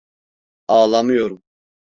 Ağlamıyorum!